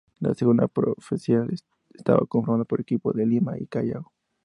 La segunda profesional estaba conformada por equipos de Lima y Callao.